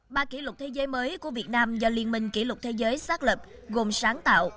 ba kỷ lục thế giới mới của việt nam do liên minh kỷ lục thế giới xác lập gồm sáng tạo